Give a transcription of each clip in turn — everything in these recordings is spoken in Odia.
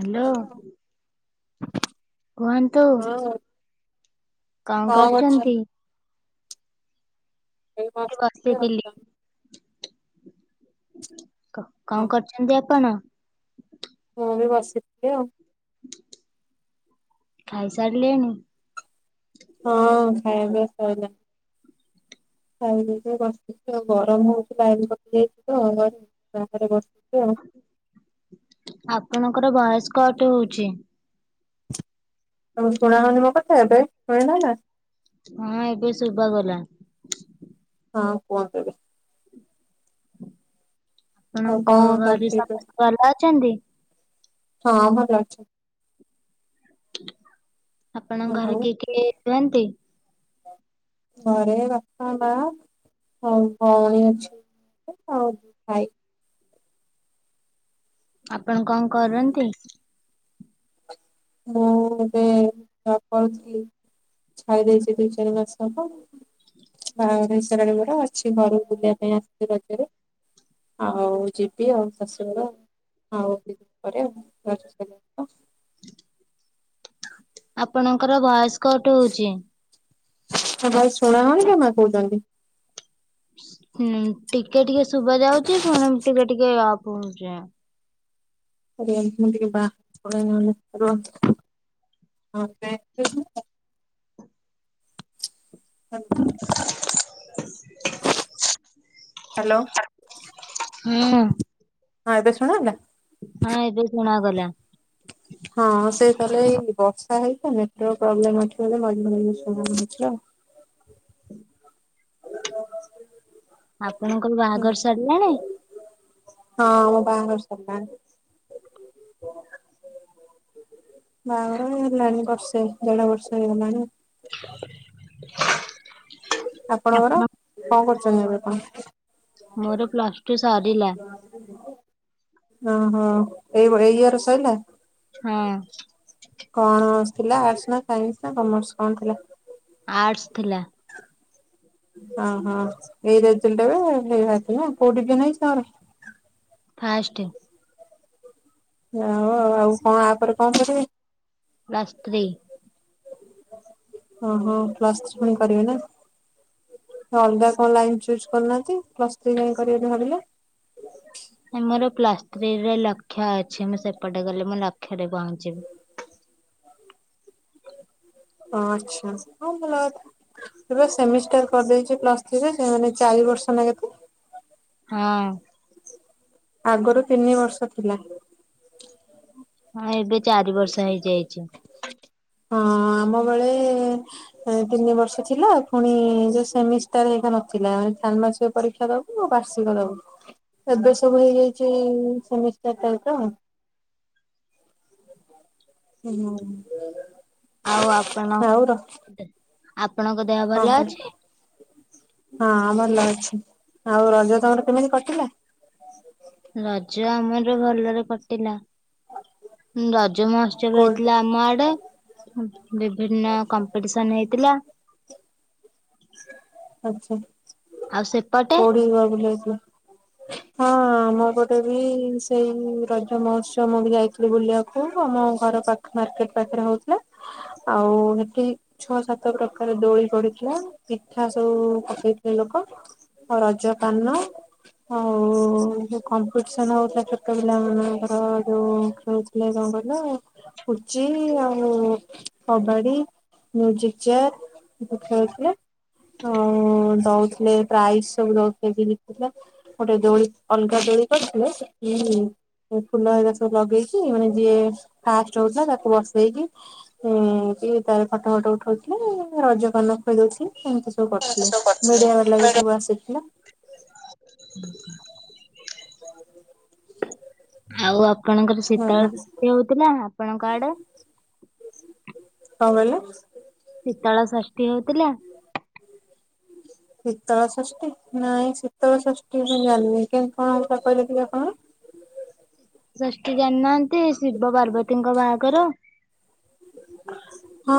Hello hello. କୁହନ୍ତୁ? କଣ କରୁଚନ୍ତି? ଏଇ ଟିକେ ବସିଥିଲି। ଆଉ କ କଣ କରୁଛନ୍ତି ଆପଣ? ମୁଁ ବି ବସିଥିଲି ଆଉ। ଖାଇସାରିଲେଣିି? ହଁ ଖାଇବା ପିଇବା ସଇଲା। ଖାଇ ଦେଇକି ବସିଛି ତ ଆଉ ଗରମ ହଉଛି ଲାଇନ୍ କଟିଯାଇଚି ତ ଘରେ ବାହାରେ ବସିଛି ଆଉ। ଆପଣଙ୍କର ଭଏସ୍ କଟ୍ ହଉଛି। ତମୁକୁ ଶୁଣା ଯାଉନି ମୋ କଥା ଏବେ ଶୁଣିଲ ଏଇନା? ହଁ ଏବେ ଶୁବାଗଲା। ହଁ କୁହନ୍ତୁ ଏବେ? ଆଉ ଆପଣଙ୍କ କଣ ଘରେ ଚାଲିଛି ଏବେ ସମସ୍ତେ ଭଲ ଅଛନ୍ତି? ହଁ ଭଲ ଅଛନ୍। ଆପଣଙ୍କ ଘରେ ଆଉ କିଏ କିଏ ରୁହନ୍ତି? ଘରେ ବାପା ମା ଭାଇ ଭଉଣୀ ଅଛି ଆଉ ଭାଇ। ଆପଣ କଣ କରନ୍ତି? ମୁଁ ଏବେ ଡବଲ ସ୍କିମ୍ ଛାଡି ଦେଇଛି ଦିଇ ଚାରି ମାସ ହବ। ବାହାଘର ହେଇସାରିଲାଣି ମୋର ଅଛି ଘରୁକୁ ବୁଲିବା ପାଇଁ ଆସିଛି ରଜରେ। ଆଉ ଯିବି ଆଉ ଶାଶୁଘର। ଆଉ ଦି ଦିନି ପରେ ରଜ ସରିବା ପ ଆପଣଙ୍କର ଭଏସ୍ କଟ୍ ହୋଉଚି। ମୋ ଭଏସ୍ ଶୁଣା ହେଉନି କି ଆପଣ କହୁଛନ୍ତି? ହୁଁ ଟିକେ ଟିକେ ଶୁଭା ଯାଉଛି ପୁଣି ଟିକେ ଟିକେ ଆପ୍ ହେଉଛି। ରୁହନ୍ତୁ ମୁଁ ଟିକେ ବାହାରକୁ ପଳାଏ ନହଲେ ରୁହନ୍ତୁ ହଁ ଏବେ ଶୁଭିଲା? ହଁ। [inaudible] ହାଲୋ। ହୁଁ। ହଁ ଏବେ ଶୁଣାଗଲା? ହଁ ଏବେ ଶୁଣା ଗଲା। ହଁ ସେ ତାହେଲେ ଏଇ ବର୍ଷା ହେଇଛି ତ ନେଟୱର୍କ ପ୍ରୋବ୍ଲେମେ ଏଠି ବୋଲି ମଝିରେ ମଝିରେ ଶୁଭୁନି କିଛି ଆଉ। [unintelligible] ଆପଣଙ୍କର ବି ଆଉ ବାହାଘର ସରିଲାଣି? ହଁ ମୋ ବାହାଘର ସରିଲାଣି। ବାହଘର ହେଇଗଲାଣି ବର୍ଷେ ଦେଢ ବର୍ଷ ହେଇଗଲାଣି। [unintelligible] ଆପଣ ଆପଣଙ୍କର କଣ କରୁଛନ୍ତି ଏବେ ପୁଣି? ମୋର ପ୍ଲସ୍ ଟୁ ସରିଲା। ଆଉ ଟିକେ ରୁହ। ଓହୋ ଏଇ ବ ଏଇ ଇୟର ସଇଲା? ହଁ। କଣ [unintelligible] ଥିଲା ଆର୍ଟସ ନା ସାଇନ୍ସ ନା କମର୍ସ କଣ ଥିଲା? ଆର୍ଟସ୍ ଥିଲା। ଓ ହୋ ଏଇ ରେଜେଲେଟ୍ ଏବେ ଫେରେ ଭାରିଥିଲା କେଉଁ ଡିବିଜନ ହେଇଛି ତମର? ଫାଷ୍ଟେ। ଯାହାହଉ ଆଉ କଣ ଆପରେ କଣ କରିବେ? Plus three. ଓହୋ ପ୍ଲସ୍ ଥ୍ରି ପୁଣି କରିବେ ନା? ଅଲଗା କଣ ଲାଇନ୍ ଚୁଜ୍ କରିୁନାହାନ୍ତି ପ୍ଲସ୍ ଥ୍ରି କାଇଁ କରିବେ ବୋଲି ଭାବିଲେ? ଏ ମୋର ପ୍ଲସ୍ ଥ୍ରୀରେ ଲକ୍ଷ ଅଛି ମୁଁ ସେପଟେ ଗଲେ ମୋ ଲକ୍ଷ ରେ ପହଞ୍ଚିବି। ଆଚ୍ଛା ହଁ ଭଲ କଥା। ଏବେ ପା ସେମିଷ୍ଟାର କରିଦେଇଛି ପ୍ଲସ ଥ୍ରୀରେ ସେ ମାନେ ଚାରିବର୍ଷ ନା କେତେ। ହଁ। ଆଗରୁ ତିନିବର୍ଷ ଥିଲା। ହଁ ଏବେ ଚାରିବର୍ଷ ହେଇଯାଇଛି। ହଁ ଆମ ବେଳେ ଏ ତିନି ବର୍ଷ ଥିଲା ପୁଣି ଯୋଉ ସେମିଷ୍ଟାର୍ ହେରିକା ନଥିଲା ସାଣ୍ମାସିକ ପରୀକ୍ଷା ଦବୁ ଉ ବାର୍ଷିକ ଦବୁ ଏବେ ସବୁ ହେଇଯାଇଛି ସେମିଷ୍ଟାର୍ ଟାଇପ୍ ର। ହୁଁ। ଆଉ ଆପଣ ଆଉ ର ଆପଣଙ୍କ ଦେହ କଣ କହିଲୁ ଭଲଅଛି? ହଁ ଭଲ ଅଛି ଆଉ ରଜ ତମର କେମିତି କଟିଲା? ରଜ ଆମର ଭଲରେ କଟିଲା। ହୁଁ ରଜ ମହୋତ୍ସବ କୋଉ ହେଇଥିଲା ଆମ ଆଡ଼େ। ବିଭିନ୍ନ କମ୍ପିଡିସନ୍ ହେଇଥିଲା। ଆଚ୍ଛା। ଆଉ ସେ କୋଉଠିକି ଯାଅ ବୁଲିବାକୁ? [unintelligible] ହଁ ଆମ ପଟେ ବି ସେଇ ରଜମହୋତ୍ସବ ମୁଁ ବି ଯାଇଥିଲି ବୁଲିବାକୁ ଆମ ଘର ପା ଖ ମାର୍କେଟ୍ ପାଖେରେ ହୋଉଥିଲା ଆଉ ହେଠି ଛଅ ସାତ ପ୍ରକାର ଦୋଳି ପଡ଼ିଥିଲା ପିଠାସବୁ ପକେଇଥିଲେ ଲୋକ। ଅ ରଜପାନ ଆଉ ଯୋଉ କମ୍ପିଡିସନ୍ ହଉଥିଲା ଛୋଟ ପିଲା ମାନଙ୍କର ଯୋଉ ଖେଳୁ ଥି ଲେ କଣ କହିଲ। ପୁଚି ଆଉ କବାଡ଼ି ମ୍ୟୁଜିକ୍ ଚେୟାର। [unintelligible] ଖେଳୁଥିଲେ ତ ଦୋଥିଲେ ପ୍ରାଇଜ ସବୁ ଦୋଉଥିଲେ ଯିଏ ଜିତୁଥିଲା। ଗୋଟେ ଦୋଳି ଅଲଗା ଦୋଳି କରିଥିଲେ ସେଠୀ ଏ ଫୁଲ ହେରିକା ସବୁ ଲଗେଇକି ମାନେ ଯିଏ ଫାଷ୍ଟ ହୋଉଥିଲା ତାକୁ ବସେଇକି ଏମିତି ତାର ଫଟଫଟ ଉଠଉଥିଲେ ରଜପାନ ଖୋଇ ଦୋଉଥିଲି ଏମିତି ସବୁ କରୁଥିଲେ ମିଡିଆ ବାଲା ବି ସବୁ ଆସିଥିଲେ। ଉଁ ହୁଁ। ଆଉ ଆପଣଙ୍କର ଭଲ ଶୀତା କଣ [inaudible] ହଉଥିଲା ଆପଣଙ୍କ ଆଡ଼େ? କଣ କହିଲ? ଶୀତଳ ଷଷ୍ଠୀ ହୋଉଥିଲା? ଶୀତଳ ଷଷ୍ଠୀ ନାଇଁ ଶୀତଳ ଷଷ୍ଠୀ ମୁଁ ଜାଣିନି କେମିତି କଣ ହବ କହିଲେ ଟିକେ ଆପଣ। [unintelligible] ଷଷ୍ଠୀ ଜାଣିନାହାନ୍ତି ଶିବପାର୍ବତୀଙ୍କ ବାହାଘର। ହଁ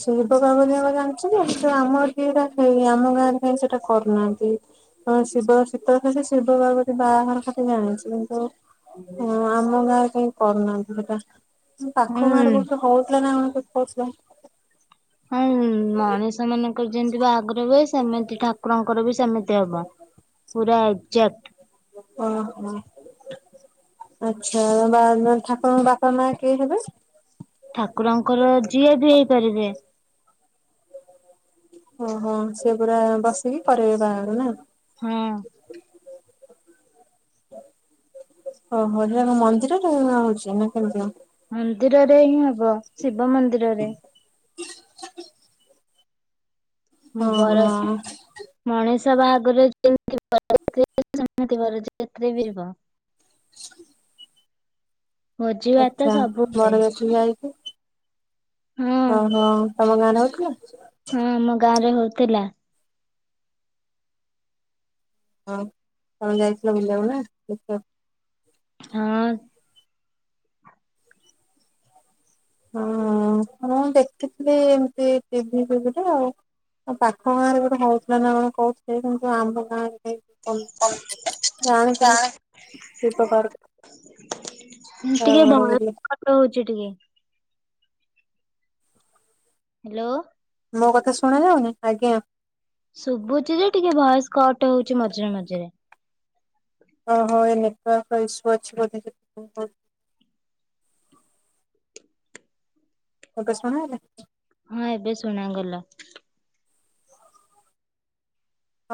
ଶିବପାର୍ବତୀଙ୍କର ଜାଣିଚି ଯେ କିନ୍ତୁ ଆମର ଏଠି ହେରା ନାହିଁ ଆମ ଗାଁରେ ହଁ, ସେଟା କରୁନାହାନ୍ତି। ହଁ ଶିବ ଶୀତଳଶଷ୍ଟି ଶିବପାର୍ବତୀ ବାହାଘର ଖାଲି ଜାଣିଚି, କିନ୍ତୁ ହ ଆମଗାଁରେ କାହିକରୁନାହାନ୍ତି ହେଟା, ପାଖ ହୁଁ। ଗାଁରେ ହଉଥିଲା ନା କଣ? [unintelligible] ହଁ ମଣିଷ ମାନଙ୍କର ଯେମିତି ବି ବାହାଘର ହୁଏ, ସେମିତି ଠାକୁରଙ୍କର ବି ସେମିତି। ହବ, ପୁରା ଏକଜାକ୍ଟ। ଓ ହୋ। ଆଛା, ବା ମାନେ ଠାକୁରଙ୍କ ବାପା ମା କିଏ ହେବେ? ଠାକୁରଙ୍କର ଯିଏବି ହେଇପାରିବେ। ଓହୋ, ସିଏ ପୁରା ବସିକି କରିବେ ବାହାଘର ନା? ହଁ। ଓହୋ, ହେୟା ମନ୍ଦିରରେ ହଉଚି, ନା କେମିତି କଣ? ମନ୍ଦିରରେ ହିଁ ହେବ, ଶିବମନ୍ଦିରରେ। ହୁଁ ଓହୋ ବର ମଣିଷ ବାହାଘରେ ଯେମିତି ବରଯାତ୍ରୀ ଯାଆନ୍ତି, ସେମିତି ବରଯାତ୍ରୀ ଯିବ। [unintelligible] ଭୋଜି ଭାତ ଆଛା, ସବୁ ହୁଏ। ବରଯାତ୍ରୀ ଯାଇକି ହଁ କହୁନ, ତମ ଗାଁରେ ହଉଥିଲା? ହଁ, ଆମ ଗାଁରେ ହଉଥିଲା। ହଁ ତମେ ଯାଇଥିଲ ବୁଲିବାକୁ ନା, ଦେଖିବାକୁ? ହଁ ହଁ ମୁଁ ଦେଖିଥିଲି ଏମତି, ଟିଭି ଫିଭିରେ ଆଉ ଆଉ ପାଖ ଗାଁ ରେ ଗୋଟେ ହଉଥିଲାନା କଣ କହୁଥିଲେ କିନ୍ତୁ ଆମ ଗାଁରେ ଯେ [unintelligible] ବାଘର ଗଲେ ଫଟ ହଉଚି ଟିକେ ହାଲୋ ମୋ କଥା ଶୁଣାଯାଉନି? ଆଜ୍ଞା ଶୁଭୁଚିଯେ ଟିକେ ଭଏସ୍ କଟ ହଉଚି, ମଝିରେ ମଝିରେ ଓଁ ହଁ, ଏ ନେଟୱାର୍କ ଇସୁ ଅଛି ବଧେ [unintelligible] ଏବେ ଶୁଣାହେଲା ହଁ, ଏବେ ଶୁଣାଗଲା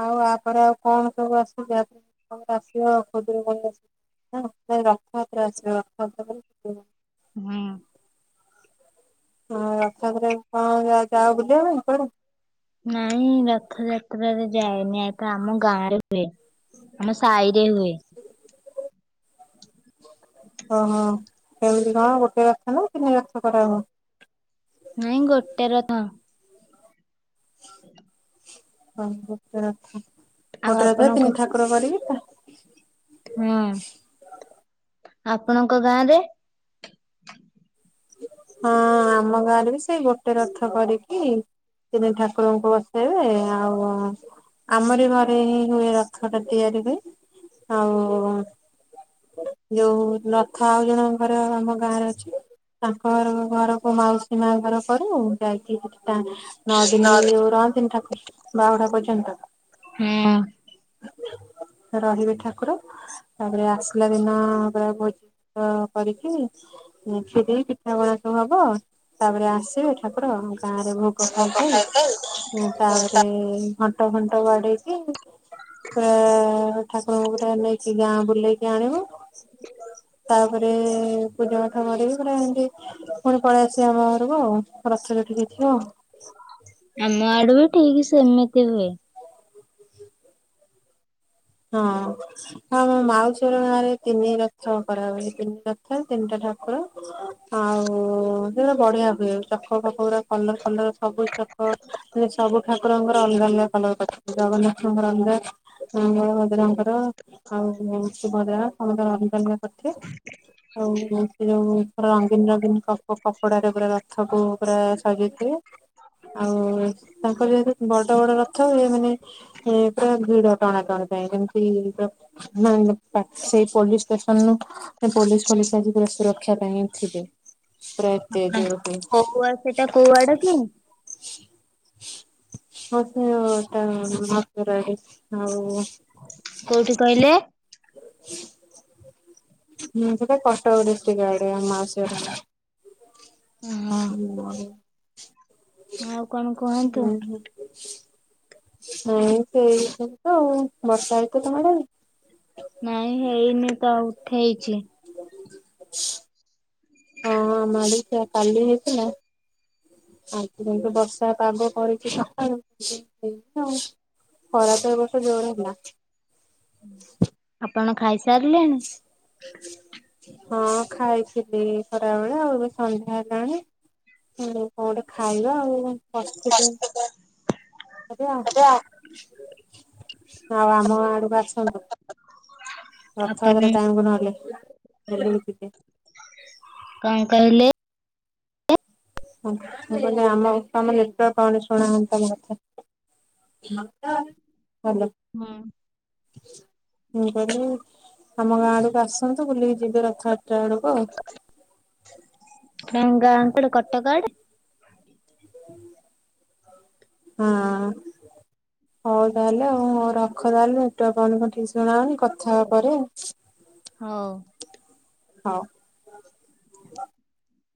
ଆଉ ଆପରେ ଆଉ କଣ ସବୁ ଆସିବ? ଯାହା ଆସିବ ଆଉ, ଖୁଦୁରୁକୁଣୀ ଆସି ହଁ, ରଥଯାତ୍ରା ଆସିବ, ରଥଯାତ୍ରା ପରେ ଖୁଦୁରୁକୁଣୀ। ହୁଁ। ହଁ, ରଥଯାତ୍ରାରେ କଣ ଯାଅ ବୁଲିବା ପାଇଁ କୁଆଡେ? ନାଇଁ ରଥଯାତ୍ରାରେ ଯାଏନି, ଏ ତ ଆମ ଗାଁରେ ହୁଏ। ଆମ ସାଇରେ ହୁଏ। ଓହୋ, କେମିତି କଣ ଗୋଟେ ରଥ ନା ତିନି ରଥ କରାହୁଏ? ନାଇଁ ଗୋଟେ ରଥ ହଁ ଗୋଟେ ରଥ, ଆଉ ଗୋଟେ ରଥ ଆପଣଙ୍କ ତିନି ଠାକୁର କରିକି ତା ହଁ, ଆପଣଙ୍କ ଗାଁରେ? ହଁ, ଆମ ଗାଁରେବି ସେଇ ଗୋଟେ ରଥ କରିକି ତିନି ଠାକୁରଙ୍କୁ ବସେଇବେ, ଆଉ ଆମରି ଘରେ ହିଁ ହୁଏ, ରଥ ଟା ତିଆରି ହୁଏ, ଆଉ ଯୋଉ ରଥ ଆଉ ଜଣ ଘରେ ଆମ ଗାଁରେ ଅଛି। ତାଙ୍କ ଘରକୁ ମାଉସୀ ମା ଘରକରୁ ଯାଇକି ଟାଣୁ ନଅ ଦିନି ଯୋଉ ରହନ୍ତିନି ଠାକୁର ବାହୁଡା ପର୍ଯ୍ୟନ୍ତ ହଁ ରହିବେ ଠାକୁର। ତାପରେ ଆସିଲା ଦିନ ପା ଭୋଜି କରିକି ଖିର ପିଠ ପିଠାଗୁରାକ ହବ ତାପରେ ଆସିବେ ଠାକୁର ଗାଁ ରେ ଭୋ ଗ ଖାଇ ଖାଇ ତାପରେ ଘଣ୍ଟ ଫଣ୍ଟ ବାଡେଇକି ପ ଠାକୁରଙ୍କୁ ନେଇକି ଗାଁ ବୁଲେଇକି ଆଣିବୁ ତାପରେ ପୂଜା ପାଠ କରିକି ପୁରା ଏମତି ପୁଣି ପଳେଇ ଆସିବେ ଆମ ଘରକୁ ଆଉ ରଥ ଯୋଉଠି ହୋଇ ଥିବ। ଆମ ଆଡେବି ଠିକ୍ ସେମିତି ହୁଏ। ହଁ। ହଁ ମୋ ମାଉସିହର ଗାଁ ରେ ତିନିରଥ କରାହୁଏ ତିନି ରଥ ତିନିଟା ଠାକୁର ଆଉ ସିଆଡେ ବଢିଆ ହୁଏ ଚକ ଫକ ଗୁରା କଲର ଫଲର ସବୁ ଚକ ସବୁ ଠାକୁରଙ୍କର ଅଲଗା ଅଲଗା କଲର କରିଛନ୍ତି ଜଗନ୍ନାଥଙ୍କର ଅଲଗା ବଳ ଭଦ୍ରଙ୍କର ଆଉ ଶୁଭଦ୍ରା ସମନ୍ତିଙ୍କର ଅଲଗା ଅଲଗା କରିଥିବେ ଆଉ ସେ ଯୋଉ ପୁରା ରଙ୍ଗୀନ ରଙ୍ଗୀନ କପଡାରେ ପୁରା ରଥ କୁ ପୁରା ସଜେଇ ଆଉ ତାଙ୍କର ଯେମିତି ବଡ ବଡ ରଥ ହୁଏ ମାନେ ସେ ପୁରା ଭିଡ ଟଣାଟଣି ପାଇଁ ଯେମିତି ନା ସେଇ ପୋଲିସ ଷ୍ଟେସନରୁୁ ପୋଲିସ ପୋଲିସ ଆଜି ସୁରକ୍ଷା ପାଇଁ ଥିବେ। ପ୍ରତେଜ ର କୋଉ ଆ ସେଟା କୋଉ ଆଡେ କି [unintelligible] କୋଉଠି କହିଲେ? ହୁଁ ସେଟା କୁଟକ ଡିଷ୍ଟ୍ରିକ୍ ଆଡ଼େ ମାଉସୀ ଙ୍କ ଘର। ହଁ ହୁଁ ହଁ। ଆଉ କଣ [unintelligible] କୁହନ୍ତୁ? ବର୍ଷା ହୋଉଛି ନା ତମ ଆଡେ? ନାଇଁ ହେଇନି ତ ଆଉ ଉଠେଇଛି। ହଁ ଆମ ଆଡ଼େ ବି ସେଇଆ କାଲି ହେଇଥିଲା। ଆଜି କିନ୍ତୁ ବର୍ଷା ପାଗ କରିକି ସକାଳୁ ଖରା ତ ଏ ବର୍ଷ ଜୋର ହେଲା। ଆପଣ ଖାଇ ସାରିଲେଣି? ହଁ ଖାଇଥିଲି ଖରାବେଳେ ଆଉ ଏବେ ସନ୍ଧ୍ୟା ହେଲାଣି। ହ କଣ ଗୋଟେ ଖାଇବା ଆଉ ବସିଥିଲୁ। ଆଉ ଆମ ଆଡକୁ ଆସନ୍ତୁ। ଆପଣ ରଥଯାତ୍ରା ଟାଣିବୁ ନହେଲେ କଣ କହିଲେ? ଆମ ତମ ନତ୍ର କଣ ଶୁଣାନ୍ତା ମତେ। ହାଲୋ। ହଁ। ମୁଁ କରିବି ଆମ ଗାଁ ଆଡକୁ ଆସନୁ। ବୁଲିକି ଯିବ ରଥ ଯାତ୍ରା ବେଳକୁ। ତମ ଗାଁ କୁଆଡେ କଟକ ଆଡେ? ହଁ। ହଉ ତାହେଲେ ଆଉ ରଖ ତାହେଲେ ନେଟୱାର୍କ କଣ ଠିକ୍ ସେ ଶୁଣା ଯାଉନି କଥା ହେବା ପରେ। ହୋଉ। ହୋଉ।